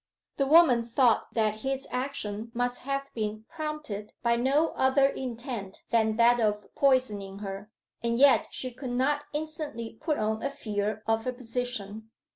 The woman thought that his action must have been prompted by no other intent than that of poisoning her, and yet she could not instantly put on a fear of her position.